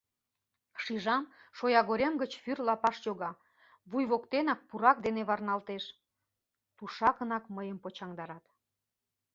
Шижам: шоягорем гыч вӱр лапаш йога, вуй воктенак пурак дене варналтеш, тушакынак мыйым почаҥдарат.